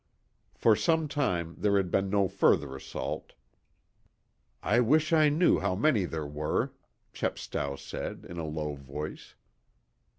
For some time there had been no further assault. "I wish I knew how many there were," Chepstow said, in a low voice.